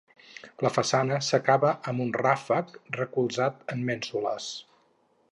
La façana s'acaba amb un ràfec recolzat en mènsules.